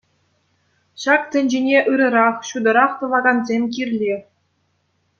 Ҫак тӗнчене ырӑрах, ҫутӑрах тӑвакансем кирлех.